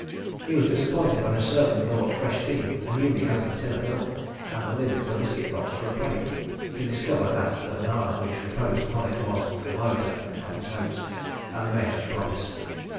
He was disappointed when a servant brought fresh tea, a newly opened tin of milk, and the lid of a biscuit box for a plate, to discover that the banana which reposed upon it was the "bloater" of his hopes and the Major's promise.